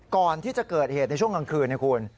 ก่อนที่จะเกิดเหตุในช่วงกลางคืนนะคุณ